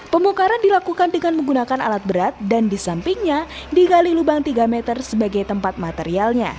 pembongkaran dilakukan dengan menggunakan alat berat dan di sampingnya digali lubang tiga meter sebagai tempat materialnya